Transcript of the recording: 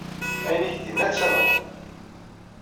Ayen i k-d-yenna ad t-tamneḍ.